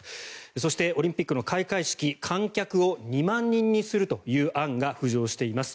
そして、オリンピックの開会式観客を２万人にするという案が浮上しています。